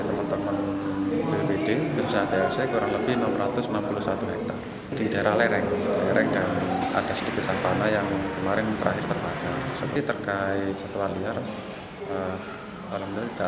tapi terkait jatuhan liar dalam hal ini tidak ada yang terdampak